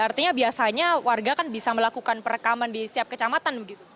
artinya biasanya warga kan bisa melakukan perekaman di setiap kecamatan begitu